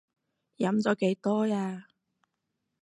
飲咗幾多呀？